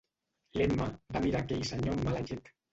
L'Emma va mirar aquell senyor amb mala llet.